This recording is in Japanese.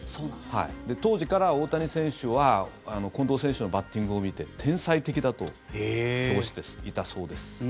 当時から大谷選手は近藤選手のバッティングを見て天才的だと評していたそうです。